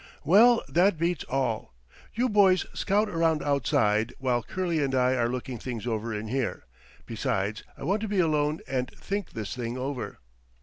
"Well, that beats all. You boys scout around outside, while Curley and I are looking things over in here. Besides, I want to be alone and think this thing over."